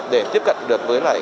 để tiếp cận được với lại